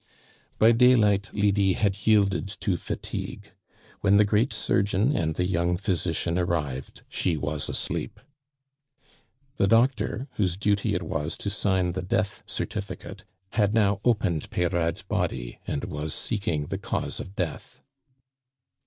By daylight Lydie had yielded to fatigue; when the great surgeon and the young physician arrived she was asleep. The doctor, whose duty it was to sign the death certificate, had now opened Peyrade's body, and was seeking the cause of death.